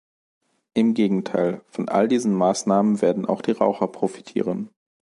Im Gegenteil, von all diesen Maßnahmen werden auch die Raucher profitieren.